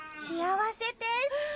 幸せです！